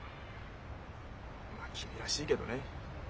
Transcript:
まあ君らしいけどね。